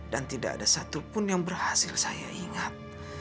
dan tidak ada satupun yang berhasil saya ingat